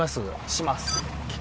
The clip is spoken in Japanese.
します。